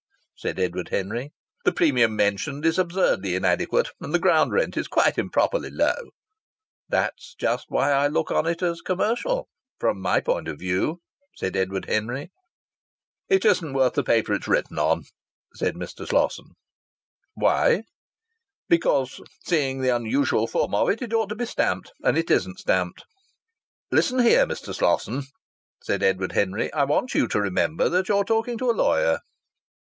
said Edward Henry. "The premium mentioned is absurdly inadequate, and the ground rent is quite improperly low." "That's just why I look on it as commercial from my point of view," said Edward Henry. "It isn't worth the paper it's written on," said Mr. Slosson. "Why?" "Because, seeing the unusual form of it, it ought to be stamped, and it isn't stamped." "Listen here, Mr. Slosson," said Edward Henry, "I want you to remember that you're talking to a lawyer."